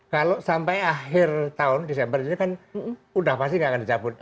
kalau sampai akhir tahun desember ini kan udah pasti nggak akan dicabut